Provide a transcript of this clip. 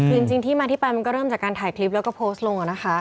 คือจริงที่มาที่ไปมันก็เริ่มจากการถ่ายคลิปแล้วก็โพสต์ลงนะคะ